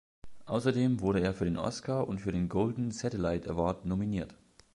Außerdem wurde er für den Oscar und für den Golden Satellite Award nominiert.